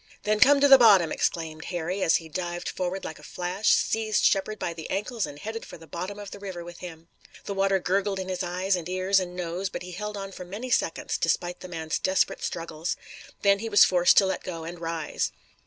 "Then come to the bottom!" exclaimed Harry, as he dived forward like a flash, seized Shepard by the ankles and headed for the bottom of the river with him. The water gurgled in his eyes and ears and nose, but he held on for many seconds, despite the man's desperate struggles. Then he was forced to let go and rise.